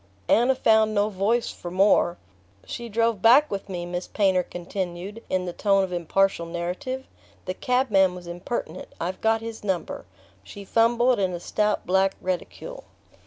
Anna found no voice for more. "She drove back with me," Miss Painter continued in the tone of impartial narrative. "The cabman was impertinent. I've got his number." She fumbled in a stout black reticule.